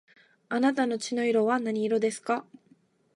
あなたの血の色は何色ですか